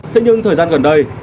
thế nhưng thời gian gần đây